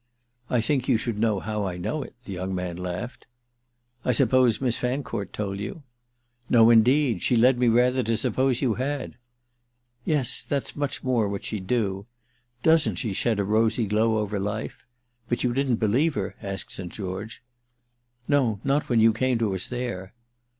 "I think you should know how I know it," the young man laughed. "I suppose Miss Fancourt told you." "No indeed—she led me rather to suppose you had." "Yes—that's much more what she'd do. Doesn't she shed a rosy glow over life? But you didn't believe her?" asked St. George. "No, not when you came to us there."